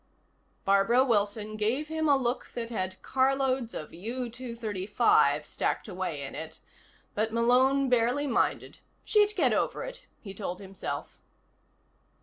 Barbara Wilson gave him a look that had carloads of U235 stacked away in it, but Malone barely minded. She'd get over it, he told himself.